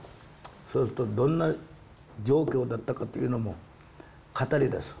そうするとどんな状況だったかというのも語りだす。